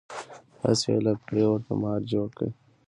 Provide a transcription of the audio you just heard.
هسې یې له پړي ورته مار جوړ کړ.